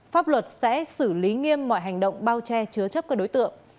pháp luật sẽ xử lý nghiêm mọi hành động bao che chứa chấp các đối tượng